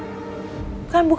sama kandungan aku